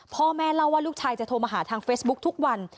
พ่อแม่เล่าว่าลูกชายจะโทรมาหาทางเฟซบุ๊คทุกวัน